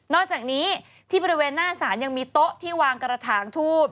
อกจากนี้ที่บริเวณหน้าศาลยังมีโต๊ะที่วางกระถางทูบ